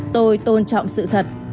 tôi tôn trọng sự thật